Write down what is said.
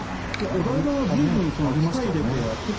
お台場は随分機械入れてやってた。